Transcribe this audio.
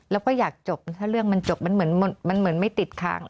แล้วก็อยากจบถ้าเรื่องมันจบมันเหมือนไม่ติดค้าง